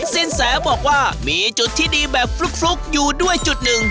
สินแสบอกว่ามีจุดที่ดีแบบฟลุกอยู่ด้วยจุดหนึ่ง